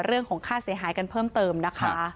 เรื่องของค่าเสียหายกันเพิ่มเติมนะคะ